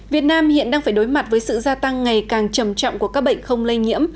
việt nam hiện đang phải đối mặt với sự gia tăng ngày càng trầm trọng của các bệnh không lây nhiễm